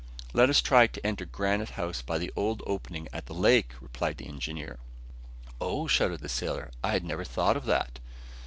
"Let us try to enter Granite House by the old opening at the lake," replied the engineer. "Oh!" shouted the sailor, "and I never thought of that."